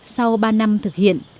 sau ba năm thực hiện